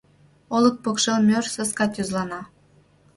Олык покшел мӧр саска тӱзлана.